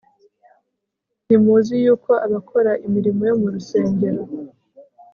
ntimuzi yuko abakora imirimo yo mu rusengero